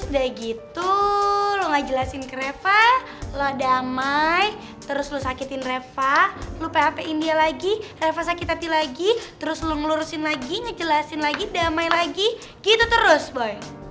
udah gitu lo ngejelasin reva lo damai terus lo sakitin reva lo pin dia lagi reva sakit hati lagi terus lu ngelurusin lagi ngejelasin lagi damai lagi gitu terus boy